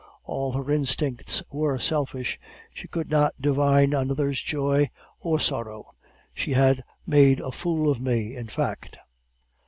All her instincts were selfish; she could not divine another's joy or sorrow. She had made a fool of me, in fact!